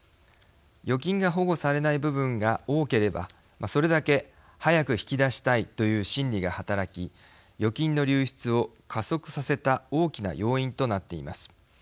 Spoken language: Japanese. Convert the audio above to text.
預金が保護されない部分が多ければそれだけ早く引き出したいという心理が働き預金の流出を加速させた大きな要因となっています。